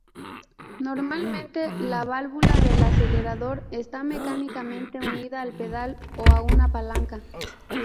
Normalmente, la válvula del acelerador está mecánicamente unida al pedal o a una palanca.